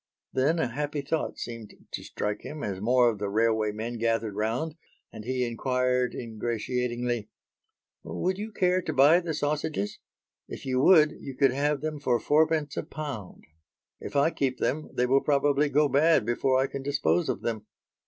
Then a happy thought seemed to strike him as more of the railway men gathered round, and he inquired ingratiatingly, "Would you care to buy the sausages; if you would, you could have them for fourpence a pound? If I keep them, they will probably go bad before I can dispose of them."